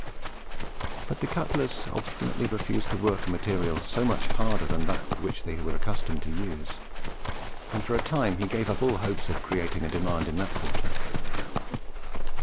But the cutlers obstinately refused to work a material so much harder than that which they had been accustomed to use; and for a time he gave up all hopes of creating a demand in that quarter.